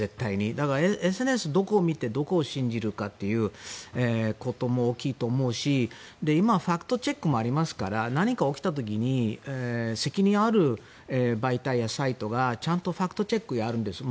だから、ＳＮＳのどこを見て、どこを信じるかも大きいと思うし、今ファクトチェックもありますから何か起きた時に責任ある媒体やサイトがちゃんとファクトチェックをやるんです。